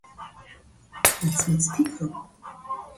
His brother Ahmed Ali also plays for the national team.